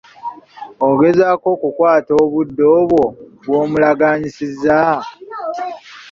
Ogezaako okukukwata obudde obwo bw'omulaganyiisizza?